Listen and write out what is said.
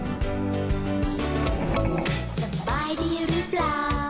พี่มิเกลว่าสบายดีหรือเปล่าล่ะค่ะ